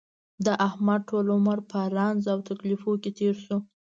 د احمد ټول عمر په رنځ او تکلیفونو کې تېر شو.